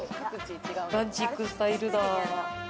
ランチ行くスタイルだ。